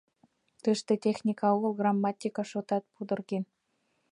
Тыште техника огыл, грамматика шотат пудырген.